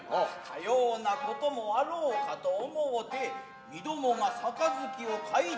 斯様なこともあろうかと思うて身共が盃を懐中いたいた。